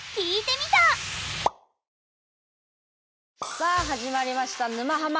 さあ始まりました「沼ハマ」。